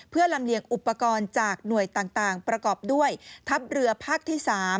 เพื่อลำเลียงอุปกรณ์จากหน่วยต่างประกอบด้วยทัพเรือภาคที่๓